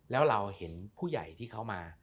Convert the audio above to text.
แล้วเราเห็นผู้ใหญ่ที่เขามา